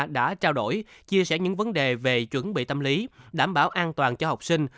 đã trao đổi chia sẻ những vấn đề về chuẩn bị tâm lý đảm bảo an toàn cho học sinh